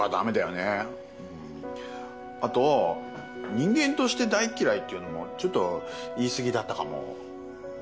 あと人間として大嫌いっていうのもちょっと言い過ぎだったかも。